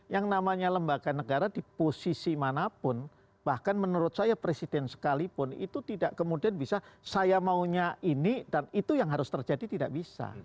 yang namanya lembaga negara di posisi manapun bahkan menurut saya presiden sekalipun itu tidak kemudian bisa saya maunya ini dan itu yang harus terjadi tidak bisa